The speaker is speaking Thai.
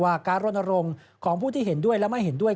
ว่าการร่วมอารมณ์ของผู้ที่เห็นด้วยและไม่เห็นด้วย